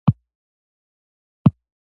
دوی دا پیسې په درې سلنه ګټه نورو ته ورکوي